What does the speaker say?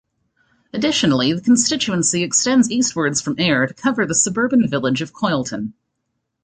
Additionally, the constituency extends eastwards from Ayr to cover the suburban village of Coylton.